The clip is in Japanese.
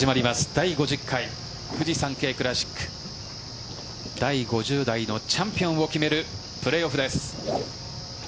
第５０回フジサンケイクラシック第５０代のチャンピオンを決めるプレーオフです。